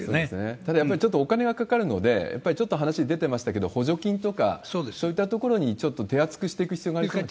ただやっぱり、ちょっとお金はかかるので、やっぱりちょっと話出てましたけど、補助金とか、そういったところにちょっと手厚くしていく必要があると思いますね。